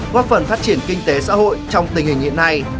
góp phần phát triển kinh tế xã hội trong tình hình hiện nay